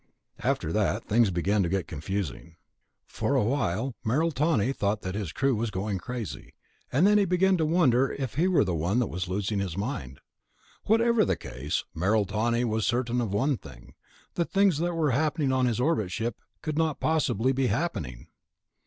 After that, things began to get confusing. For a while Merrill Tawney thought that his crew was going crazy ... and then he began to wonder if he were the one who was losing his mind. Whatever the case, Merrill Tawney was certain of one thing. The things that were happening on his orbit ship could not possibly be happening.